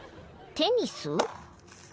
テニス？